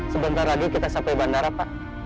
sebentar lagi kita sampai bandara pak